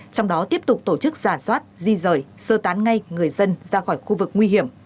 trong đó tiếp tục tổ chức giả soát di rời sơ tán ngay người dân ra khỏi khu vực nguy hiểm